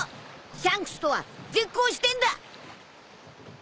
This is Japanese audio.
シャンクスとは絶交してんだ！